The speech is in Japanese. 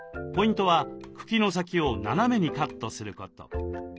ポイントは茎の先を斜めにカットすること。